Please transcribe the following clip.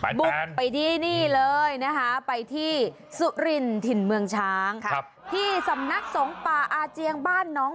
บุกไปที่นี่เลยนะคะไปที่สุรินถิ่นเมืองช้างที่สำนักสงฆ์ป่าอาเจียงบ้านน้อง